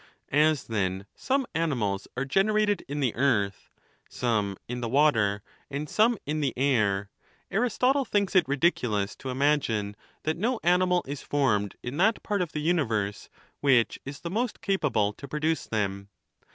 As, then, some animals are generated in the earth, some 270 THE NATURE OE THE GODS. in the water, and some in the air, Aristotle' thinks it ridic ulous to imagine that no animal is formed in that part of the universe which is the most capable to produce them.